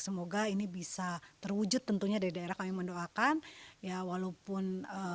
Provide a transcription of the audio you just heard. semoga ini bisa terwujud tentunya dari daerah kami mendoakan ya walaupun